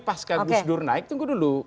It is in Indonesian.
pas kagus dur naik tunggu dulu